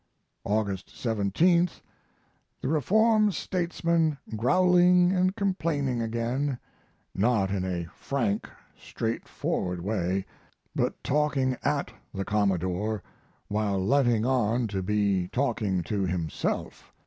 August 17th. The Reformed Statesman growling and complaining again not in a frank, straightforward way, but talking at the Commodore, while letting on to be talking to himself.